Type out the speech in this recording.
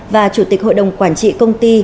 và chủ tịch hội đồng quản trị công ty